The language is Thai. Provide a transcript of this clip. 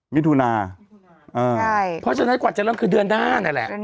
มิถุนาเพราะฉะนั้นกว่าจะเริ่มคือเดือนหน้านั่นแหละ